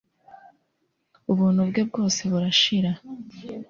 Ubuntu bwe bwose burashira